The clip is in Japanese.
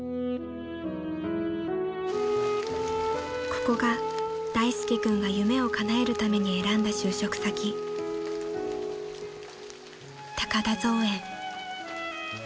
［ここが大介君が夢をかなえるために選んだ就職先高田造園］